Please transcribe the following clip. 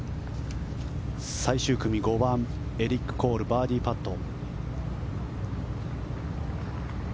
最終組の５番、エリック・コールバーディーパット。